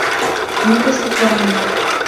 Но кушко кораҥат?